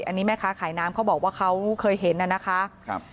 อันนี้แม่ค้าขายน้ำเขาบอกว่าเขาเคยเห็นน่ะนะคะครับ